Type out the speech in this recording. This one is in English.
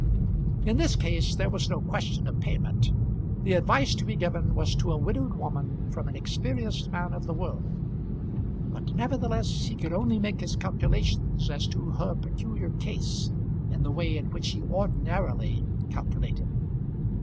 In this case there was no question of payment. The advice to be given was to a widowed woman from an experienced man of the world; but, nevertheless, he could only make his calculations as to her peculiar case in the way in which he ordinarily calculated.